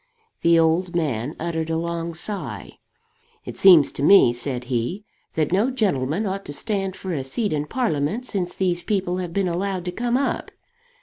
The old man uttered a long sigh. "It seems to me," said he, "that no gentleman ought to stand for a seat in Parliament since these people have been allowed to come up.